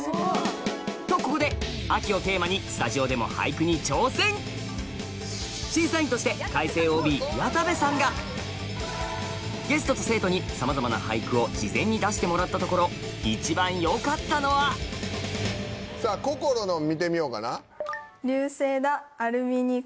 とここでスタジオでも審査員として開成ＯＢ谷田部さんがゲストと生徒にさまざまな俳句を事前に出してもらったところ一番良かったのはさぁこころのを見てみようかな。